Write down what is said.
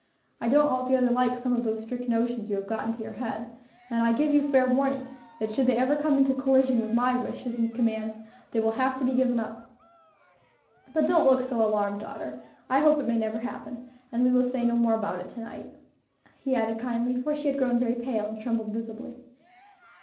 I don't altogether like some of those strict notions you have got into your head, and I give you fair warning, that should they ever come into collision with my wishes and commands, they will have to be given up. But don't look so alarmed, daughter; I hope it may never happen; and we will say no more about it to night," he added, kindly, for she had grown very pale and trembled visibly.